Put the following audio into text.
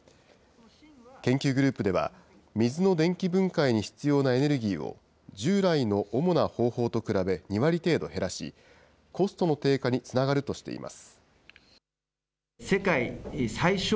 研究グループでは、水の電気分解に必要なエネルギーを従来の主な方法と比べ２割程度減らし、コストの低下につながるとしています。